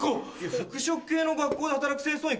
服飾系の学校で働く清掃員